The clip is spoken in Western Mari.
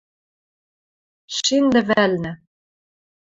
Шин лӹвӓлнӹ —